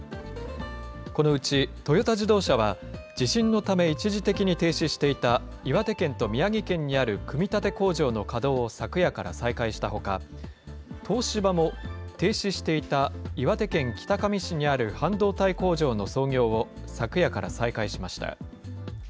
このうちトヨタ自動車は、地震のため一時的に停止していた岩手県と宮城県にある組み立て工場の稼働を昨夜から再開したほか、東芝も停止していた岩手県北上市にある半導体工場の操業を昨夜から再開しました。